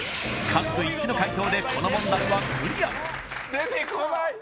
家族一致の解答でこの問題はクリア出てこない！